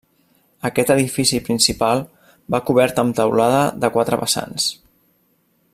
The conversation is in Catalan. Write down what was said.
Aquest edifici principal va cobert amb teulada de quatre vessants.